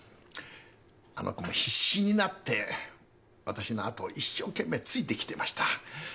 あの子も必死になってわたしのあとを一生懸命ついてきてました。